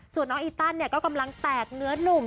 ส่วนน้องอีตันเนี่ยก็กำลังแตกเนื้อนุ่ม